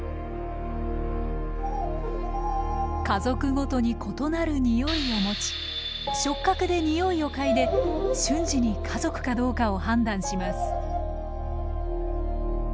家族ごとに異なるにおいを持ち触角でにおいを嗅いで瞬時に家族かどうかを判断します。